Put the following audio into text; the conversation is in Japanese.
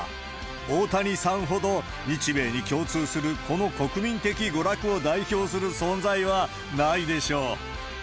大谷さんほど日米に共通する、この国民的娯楽を代表する存在はないでしょう。